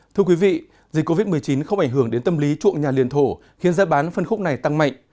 thưa quý vị dịch covid một mươi chín không ảnh hưởng đến tâm lý chuộng nhà liền thổ khiến giá bán phân khúc này tăng mạnh